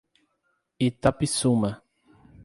Itapissuma